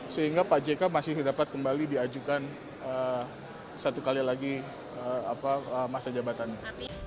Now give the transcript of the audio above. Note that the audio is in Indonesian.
sehingga pak jk masih dapat kembali diajukan satu kali lagi masa jabatannya